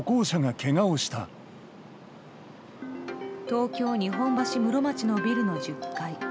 東京・日本橋室町のビルの１０階